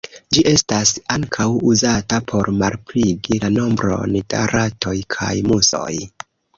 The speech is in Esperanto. Ĝi estas ankaŭ uzata por malpliigi la nombron da ratoj kaj musoj.